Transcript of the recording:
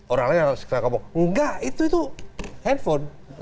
orang lain sekarang kamu enggak itu handphone